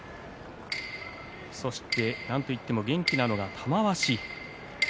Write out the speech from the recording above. そして、なんといっても元気なのが玉鷲です。